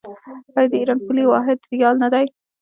آیا د ایران پولي واحد ریال نه دی؟